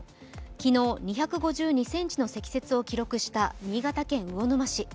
昨日、２５２ｃｍの積雪を記録した新潟県魚沼市。